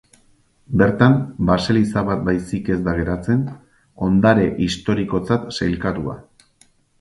Bertan, baseliza bat baizik ez da geratzen, ondare historikotzat sailkatua.